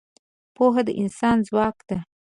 پوهه د انسان ځواک ده.